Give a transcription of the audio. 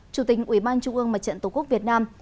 chủ tình ủy ban trung ương mặt trận tổ quốc việt nam